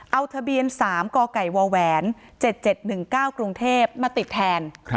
เอาทะเบียน๓กไก่ว๗๗๑๙กรุงเทพมาติดแทน